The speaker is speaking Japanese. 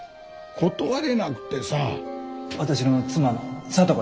断れなくてさ。